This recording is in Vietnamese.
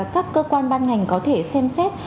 các cơ quan ban ngành có thể xem xét